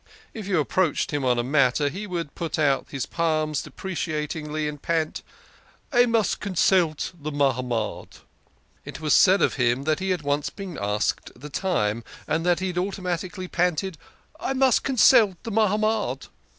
If you ap proached him on a matter he would put out his palms deprecatingly and pant, " I must consult the Mahamad." It was said of him that he had once been asked the time, and that he had automatically panted, " I must consult the Mahamad."